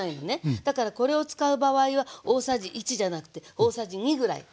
だからこれを使う場合は大さじ１じゃなくて大さじ２ぐらい使って下さい。